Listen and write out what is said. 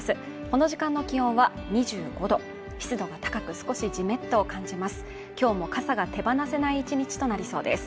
この時間の気温は２５度湿度が高く少しジメッと感じます